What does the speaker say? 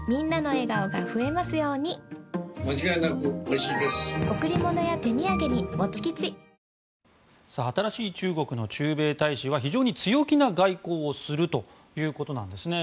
新しい中国の駐米大使は非常に強気な外交をするということなんですね。